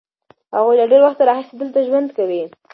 هغوی له ډېر وخت راهیسې دلته ژوند کوي.